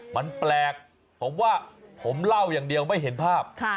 มันแปลกผมว่าผมเล่าอย่างเดียวไม่เห็นภาพ